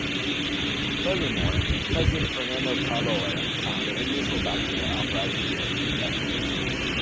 Furthermore, President Fernando Collor signed the initial document authorizing the investigation.